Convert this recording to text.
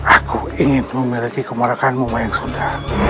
aku ingin memiliki kemarakanmu mayang sunda